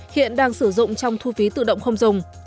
hiện đang sử dụng trong thu phí tự động không dùng